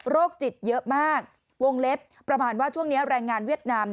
จิตเยอะมากวงเล็บประมาณว่าช่วงนี้แรงงานเวียดนาม